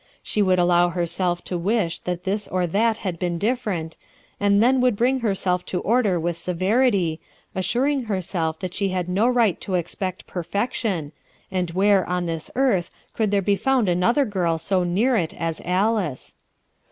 She would allow herself to wish that this or that had been different, and then would bring her self to order with severity, assuring herself that she had no right to expect perfection, and where, on this earth, could there be found an other girl so near it as Alice